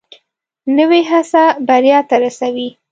نوې هڅه بریا ته رسوي